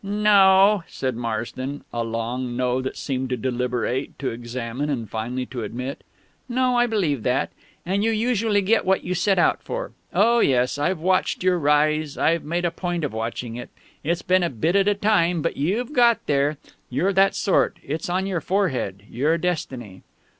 "No o o," said Marsden a long "no" that seemed to deliberate, to examine, and finally to admit. "No. I believe that. And you usually get what you set out for. Oh yes. I've watched your rise I've made a point of watching it. It's been a bit at a time, but you've got there. You're that sort. It's on your forehead your destiny."